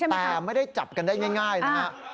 แต่ไม่ได้จับกันได้ง่ายนะฮะ